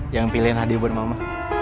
yang pilihin hadir buat mama